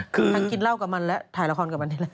คือทั้งกินเหล้ากับมันและถ่ายละครกับมันนี่แหละ